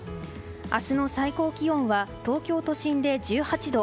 明日の最高気温は東京都心で１８度。